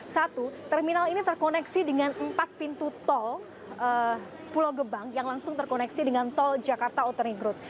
satu terminal ini terkoneksi dengan empat pintu tol pulau gebang yang langsung terkoneksi dengan tol jakarta outering group